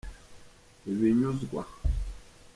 ibinyuzwa